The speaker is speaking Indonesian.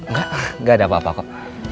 gak gak ada apa apa kok